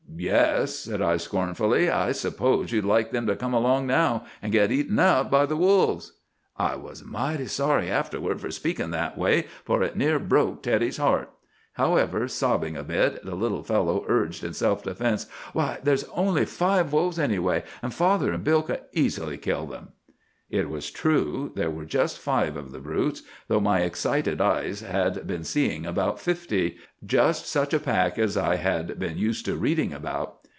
"'Yes,' said I scornfully; 'I suppose you'd like them to come along now, and get eaten up by the wolves!' "I was mighty sorry afterward for speaking that way, for it near broke Teddy's heart. However, sobbing a bit, the little fellow urged in self defence, 'Why, there's only five wolves anyway, and father and Bill could easily kill them!' "It was true. There were just five of the brutes, though my excited eyes had been seeing about fifty—just such a pack as I had been used to reading about.